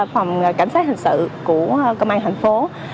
phòng cảnh sát hình sự của công an thành phố